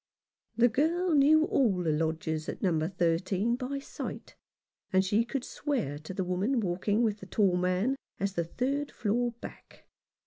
The girl knew all the lodgers at No. 13 by sight, and she could swear to the woman walking with the tall man as the third floor back.